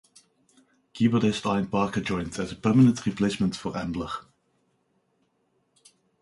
Keyboardist Ian Parker joined as a permanent replacement for Ambler.